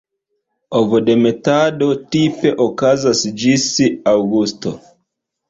Ovodemetado tipe okazas ĝis aŭgusto.